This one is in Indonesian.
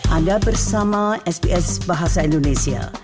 anda bersama sps bahasa indonesia